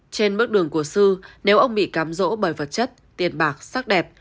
trên bước đường của sư nếu ông bị cắm rỗ bởi vật chất tiền bạc sắc đẹp